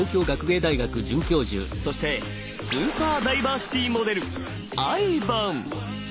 そしてスーパー・ダイバーシティモデルＩＶＡＮ！